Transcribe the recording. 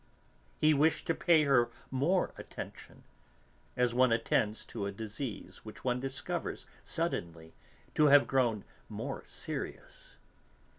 He wished to pay her more attention, as one attends to a disease which one discovers, suddenly, to have grown more serious.